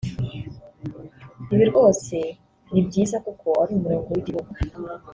Ibi rwose ni byiza kuko ari umurongo w'igihugu